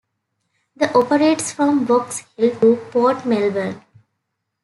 It operates from Box Hill to Port Melbourne.